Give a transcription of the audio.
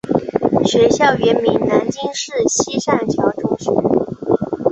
学校原名南京市西善桥中学。